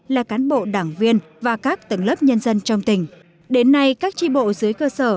là cán bộ đảng viên và các tầng lớp nhân dân trong tỉnh đến nay các tri bộ dưới cơ sở